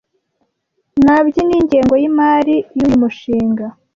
Nabyi n’’ingengo y’imari y’uyu mushinga